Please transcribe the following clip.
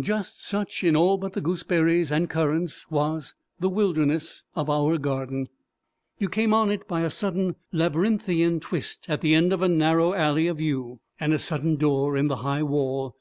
Just such, in all but the gooseberries and currants, was the wilderness of our garden: you came on it by a sudden labyrinthine twist at the end of a narrow alley of yew, and a sudden door in the high wall.